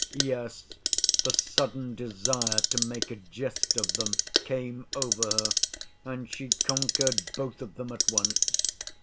Yes, the sudden desire to make a jest of them came over her, and she conquered both of them at once.